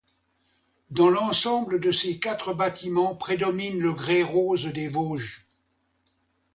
Dans l'ensemble de ces quatre bâtiments prédomine le grès rose des Vosges.